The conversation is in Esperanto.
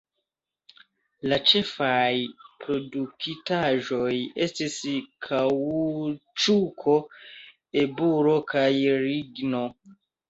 La ĉefaj produktaĵoj estis kaŭĉuko, eburo kaj ligno.